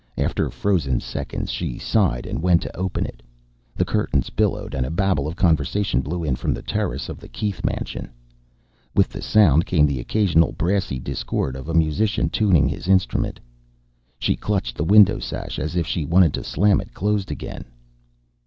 After frozen seconds, she sighed and went to open it. The curtains billowed, and a babble of conversation blew in from the terrace of the Keith mansion. With the sound came the occasional brassy discord of a musician tuning his instrument. She clutched the window sash as if she wished to slam it closed again.